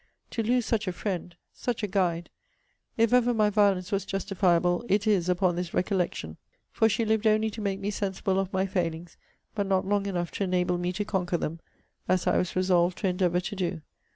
To lose such a friend such a guide. If ever my violence was justifiable, it is upon this recollection! For she lived only to make me sensible of my failings, but not long enough to enable me to conquer them; as I was resolved to endeavour to do.